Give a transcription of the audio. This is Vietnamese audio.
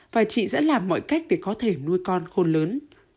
và chị sẽ làm mọi cách để có thể nuôi con khôn lớn